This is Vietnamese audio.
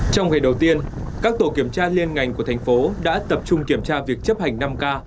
trong ngày đầu tiên các tổ kiểm tra liên ngành của thành phố đã tập trung kiểm tra việc chấp hành năm k